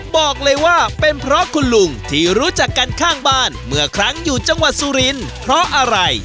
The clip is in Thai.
บอกเลยว่าเป็นเพราะคุณลุงที่รู้จักกันข้างบ้านเมื่อครั้งอยู่จังหวัดสุรินทร์เพราะอะไร